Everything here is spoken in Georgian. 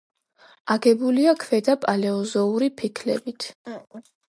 აგებულია ქვედა პალეოზოური ფიქლებით.